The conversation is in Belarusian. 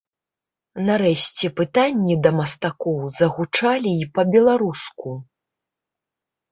Нарэшце пытанні да мастакоў загучалі і па-беларуску.